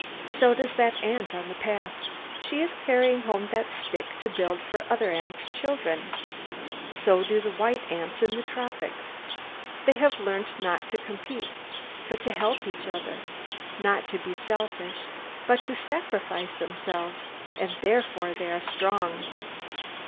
So does that ant on the path. She is carrying home that stick to build for other ants' children. So do the white ants in the tropics. They have learnt not to compete, but to help each other; not to be selfish, but to sacrifice themselves; and therefore they are strong.